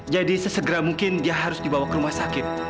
jadi sesegera mungkin dia harus dibawa ke rumah sakit